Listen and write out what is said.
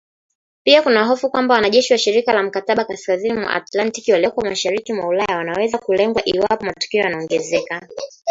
Pia kuna hofu kwamba wanajeshi wa shirika la mkataba kaskazini mwa atlantiki walioko mashariki mwa Ulaya wanaweza kulengwa iwapo matukio yanaongezeka